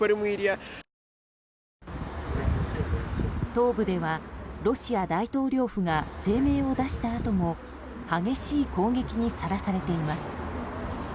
東部では、ロシア大統領府が声明を出したあとも激しい攻撃にさらされています。